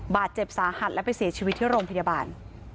บาดเจ็บสาหัสและไปเสียชีวิตที่โรงพยาบาล